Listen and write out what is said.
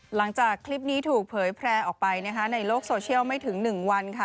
หลังจากคลิปนี้ถูกเผยแพร่ออกไปนะคะในโลกโซเชียลไม่ถึง๑วันค่ะ